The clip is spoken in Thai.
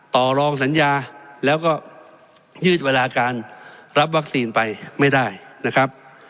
ต่อรองสัญญาแล้วก็ยืดเวลาการรับวัคซีนไปไม่ได้นะครับ